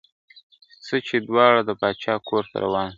ځه چي دواړه د پاچا کورته روان سو ..